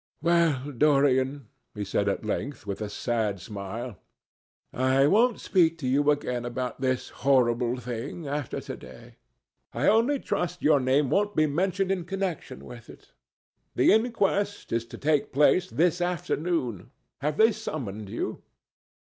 "Well, Dorian," he said at length, with a sad smile, "I won't speak to you again about this horrible thing, after to day. I only trust your name won't be mentioned in connection with it. The inquest is to take place this afternoon. Have they summoned you?"